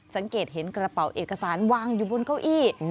สังเกตเห็นกระเป๋าเอกสารวางอยู่บนเก้าอี้